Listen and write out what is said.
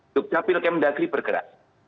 dukcapil kemdagri bergerak